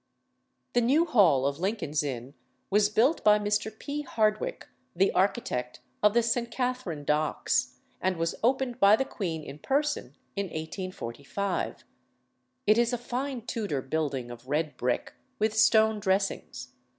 The new hall of Lincoln's Inn was built by Mr. P. Hardwick, the architect of the St. Katherine Docks, and was opened by the Queen in person in 1845. It is a fine Tudor building of red brick, with stone dressings.